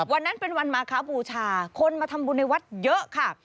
วันนั้นเป็นวันมาคบูชาคนมาทำบุญในวัดเยอะค่ะ